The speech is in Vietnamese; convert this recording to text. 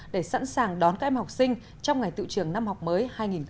để sẵn sàng đón các em học sinh trong ngày tự trường năm học mới hai nghìn một mươi bảy